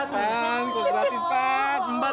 gak gratis pak